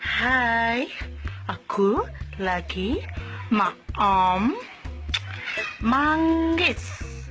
hai aku lagi mak om manggis